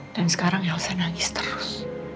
dan sekarang elsa nangis terus